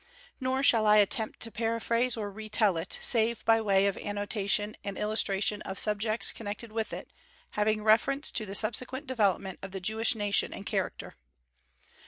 Nor shall I attempt to paraphrase or re tell it, save by way of annotation and illustration of subjects connected with it, having reference to the subsequent development of the Jewish nation and character.